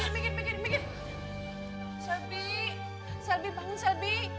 minum air putih dulu biar lo tenang ya